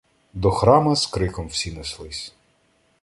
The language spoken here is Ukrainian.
До храма, з криком всі неслись.